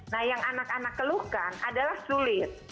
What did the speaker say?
nah yang anak anak keluhkan adalah sulit